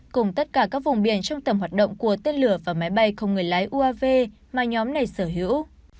cùng tất cả các vùng biển trong tầm hoạt động của tên lửa và máy bay không người lái uav mà nhóm này sở hữu